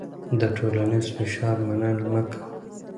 د ټولنیز فشار منل مه کوه.